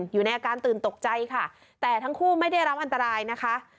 อยู่ในอาการตื่นตกใจค่ะแต่ทั้งคู่ไม่ได้รับอันตรายนะคะ